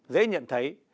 dễ nhận thấy